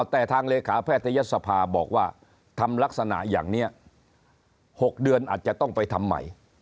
แต่ทางเลขาแพทยศภาบอกว่าทำลักษณะอย่างนี้๖เดือนอาจจะต้องไปทำใหม่